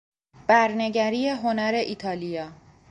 برنگری هنر ایتالیا